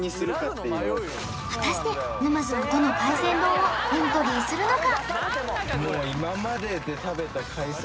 果たして沼津はどの海鮮丼をエントリーするのか？